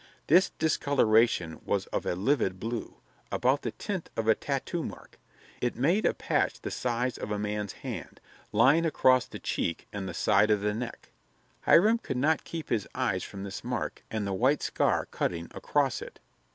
This discoloration was of a livid blue, about the tint of a tattoo mark. It made a patch the size of a man's hand, lying across the cheek and the side of the neck. Hiram could not keep his eyes from this mark and the white scar cutting across it.